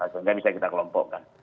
sehingga bisa kita kelompokkan